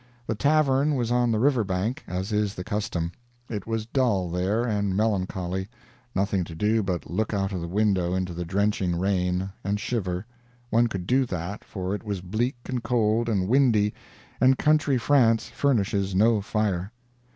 The tavern was on the river bank, as is the custom. It was dull there, and melancholy nothing to do but look out of the window into the drenching rain, and shiver; one could do that, for it was bleak and cold and windy, and country France furnishes no fire.